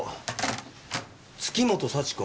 月本幸子。